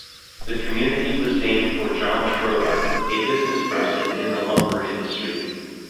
The community was named for John Schroeder, a businessperson in the lumber industry.